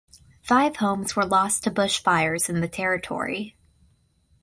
Five homes were lost to bushfires in the Territory.